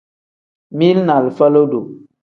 Mili ni alifa lodo.